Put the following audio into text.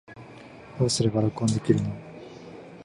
どうすれば録音できるの